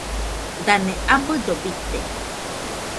Dane abɨdo bite